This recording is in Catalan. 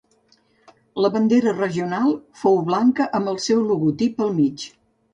La bandera regional fou blanca amb el seu logotip al mig.